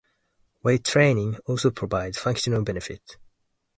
Weight training also provides functional benefits.